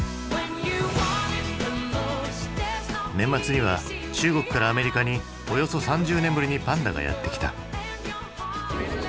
年末には中国からアメリカにおよそ３０年ぶりにパンダがやって来た。